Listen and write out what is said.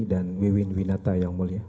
dan miwin winata yang mulia